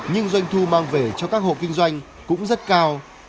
nhưng doanh thu mang về cho các hộ kinh doanh cũng rất cao